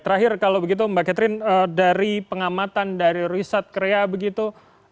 terakhir kalau begitu mbak catherine dari pengamatan dari riset krea begitu